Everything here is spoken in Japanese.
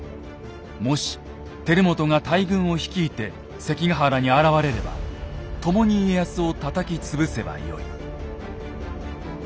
もし輝元が大軍を率いて関ヶ原に現れれば共に家康をたたき潰せばよい。